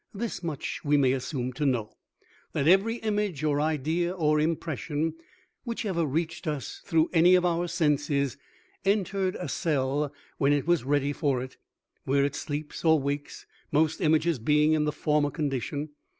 This much we may assume to know, that every image or idea or impression whichever reached us through any of our senses entered a cell when it was ready for it, where it sleeps or wakes, most images being in the former condition.